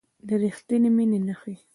د ریښتینې مینې نښې